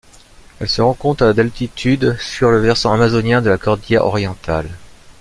Elle se rencontre à d'altitude sur le versant amazonien de la cordillère Orientale.